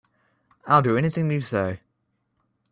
I'll do anything you say.